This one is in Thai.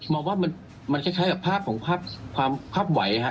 มองว่ามันคล้ายกับภาพของภาพไหวค่ะ